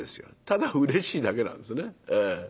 ただうれしいだけなんですよね。